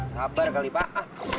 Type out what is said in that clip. sabar kali pak